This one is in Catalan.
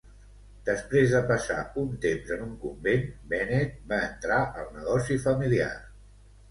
Després de passar un temps en un convent, Bennett va entrar al negoci familiar.